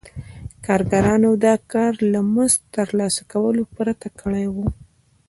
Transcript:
کارګرانو دا کار له مزد ترلاسه کولو پرته کړی وي